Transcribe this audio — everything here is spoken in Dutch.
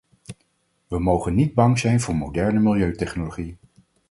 Wij mogen niet bang zijn voor moderne milieutechnologie.